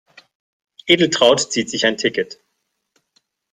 Edeltraud zieht sich ein Ticket.